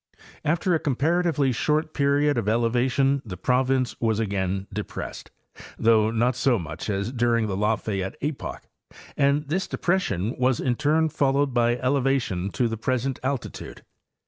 After a comparatively short period of elevation the province was again depressed, though not so much as during the Lafay ette epoch, and this depression was in turn followed by elevation to the presentaltitude.